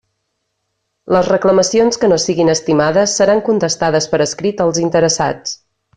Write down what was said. Les reclamacions que no siguin estimades seran contestades per escrit als interessats.